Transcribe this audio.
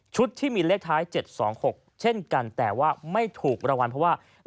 ชุดที่มีเลขท้ายเจ็ดสองหกเช่นกันแต่ว่าไม่ถูกระวังเพราะว่า